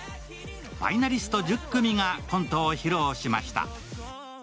ファイナリスト１０組がコントを披露しました。